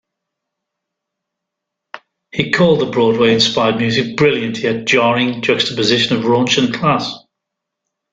He called the Broadway-inspired music "brilliant yet jarring juxtaposition of raunch and class".